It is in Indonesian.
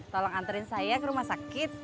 tolong anterin saya ke rumah sakit